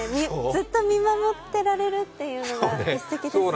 ずっと見守ってられるというのがすてきですね。